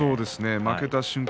負けた瞬間